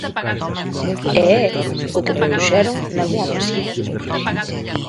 E é o que propuxeron nalgunha ocasión.